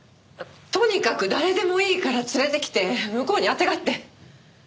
とにかく誰でもいいから連れてきて向こうにあてがって。